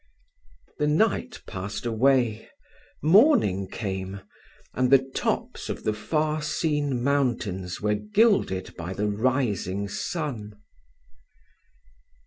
The night passed away morning came, and the tops of the far seen mountains were gilded by the rising sun.